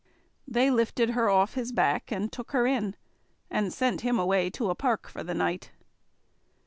They lifted her off his back, and took her in, and sent him away to a park for the night.